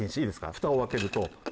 フタを開けると。